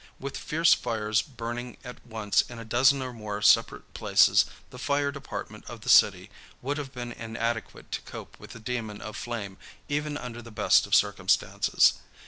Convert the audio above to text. With fierce fires burning at once in a dozen or more separate places, the fire department of the city would have been inadequate to cope with the demon of flame even under the best of circumstances.